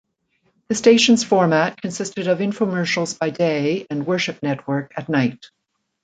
The station's format consisted of infomercials by day and Worship Network at night.